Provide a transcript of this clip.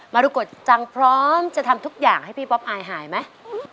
รุกฎจังพร้อมจะทำทุกอย่างให้พี่ป๊อปอายหายไหม